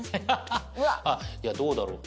あっいやどうだろう？